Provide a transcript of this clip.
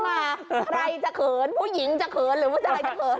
ใครจะเขินผู้หญิงจะเขินหรือผู้ชายจะเขิน